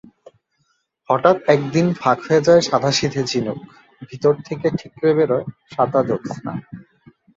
হঠাৎ একদিন ফাঁক হয়ে যায় সাদাসিধে ঝিনুক, ভিতর থেকে ঠিকরে বেরোয় সাদা জোৎস্না।